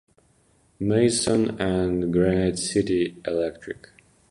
Mason, and Granite City Electric.